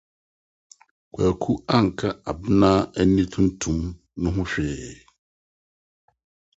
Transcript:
Kwaku anka Abena aniwa tuntum no ho hwee.